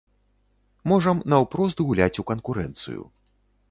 Можам наўпрост гуляць у канкурэнцыю.